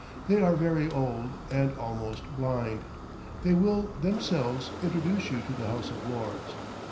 They are very old, and almost blind. They will, themselves, introduce you to the House of Lords.